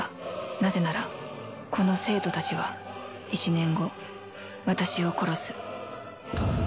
なぜならこの生徒たちは１年後。